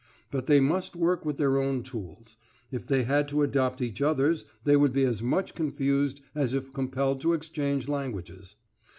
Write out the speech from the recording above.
But they must work with their own tools; if they had to adopt each other's they would be as much confused as if compelled to exchange languages.